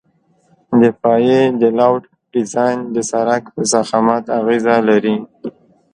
د پایې د لوډ ډیزاین د سرک په ضخامت اغیزه لري